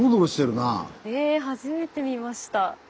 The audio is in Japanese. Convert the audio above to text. え初めて見ました。